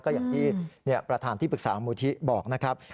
ก็อย่างที่ประธานที่ปรึกษามูลที่บอกนะครับ